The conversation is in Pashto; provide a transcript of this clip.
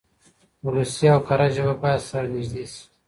ولسي او کره ژبه بايد سره نږدې شي.